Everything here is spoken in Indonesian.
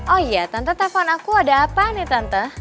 oh iya tante telpon aku ada apa nih tante